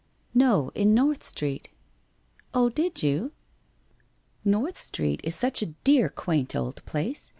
' No, in North Street.' 1 Oh, did you ?'' North Street is such a dear quaint old place.